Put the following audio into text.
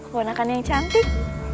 warnakan yang cantik